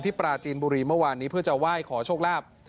ที่ปลาจีนบุรีเมื่อวานนี้เพื่อจะว่าขอโชคราพ